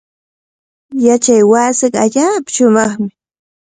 Yachaywasiiqa allaapa shumaqmi.